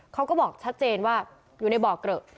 เขาก็บอกชัดเจนว่าอยู่ในบ่อเกลอะ